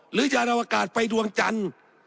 หรือจะอวกาศไปดวงจันทร์